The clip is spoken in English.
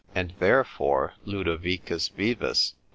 And therefore Lodovicus Vives, lib.